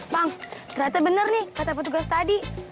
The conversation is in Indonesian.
pang ternyata bener nih kata petugas tadi